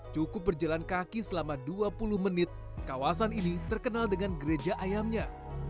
cukup berjalan kaki selama dua puluh menit kawasan ini terkenal dengan gereja ayamnya